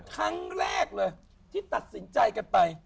ครั้งแรกเลยที่ตัดสินใจกันไป